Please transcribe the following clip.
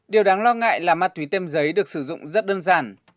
điều đáng lo ngại là ma túy tem giấy được sử dụng rất đơn giản